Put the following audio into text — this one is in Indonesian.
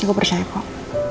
ini gue persen ya kok